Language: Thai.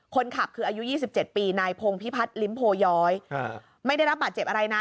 คนขับคืออายุ๒๗ปีนายพงพิพัฒน์ลิ้มโพย้อยไม่ได้รับบาดเจ็บอะไรนะ